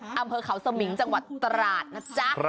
อำเภอเขาสมิงจังหวัดตราดนะจ๊ะ